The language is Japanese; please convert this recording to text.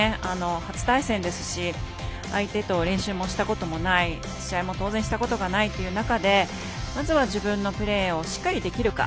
初対戦ですし相手と練習もしたこともない試合も当然したことがないという中でまずは、自分のプレーをしっかりできるか。